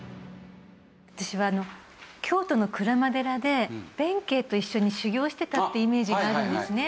私は京都の鞍馬寺で弁慶と一緒に修行してたってイメージがあるんですね。